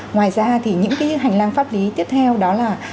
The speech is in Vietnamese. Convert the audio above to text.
ngoài ra thì những cái hành lang pháp lý tiếp theo đó là